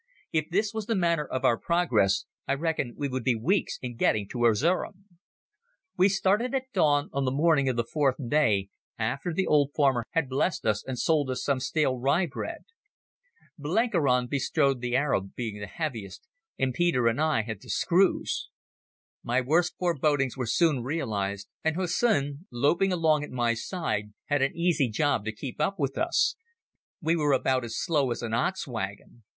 If this was the manner of our progress, I reckoned we would be weeks in getting to Erzerum. We started at dawn on the morning of the fourth day, after the old farmer had blessed us and sold us some stale rye bread. Blenkiron bestrode the Arab, being the heaviest, and Peter and I had the screws. My worst forebodings were soon realized, and Hussin, loping along at my side, had an easy job to keep up with us. We were about as slow as an ox wagon.